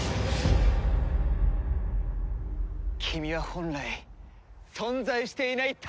君は本来存在していない退場者。